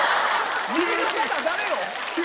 右の方誰よ